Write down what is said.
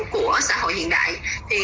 của xã hội hiện đại